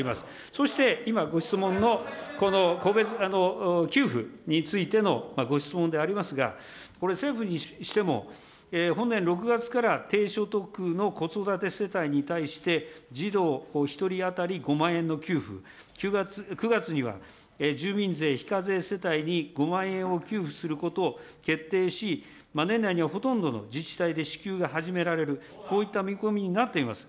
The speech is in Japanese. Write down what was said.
そして今、ご質問のこの個別給付についてのご質問でありますが、これ政府にしても、本年６月から低所得の子育て世代に対して、児童１人当たり５万円の給付、９月には住民税非課税世帯に５万円を給付することを決定し、年内にはほとんどの自治体で支給が始められる、こういった見込みになっています。